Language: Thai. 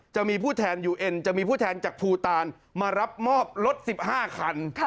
จะมีผู้แทนยูเอ็นจะมีผู้แทนจากภูตานมารับมอบรถ๑๕คัน